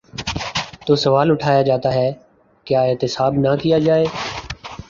تو سوال اٹھایا جاتا ہے: کیا احتساب نہ کیا جائے؟